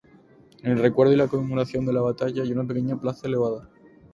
En el recuerdo y la conmemoración de la batalla, hay una pequeña plaza elevada.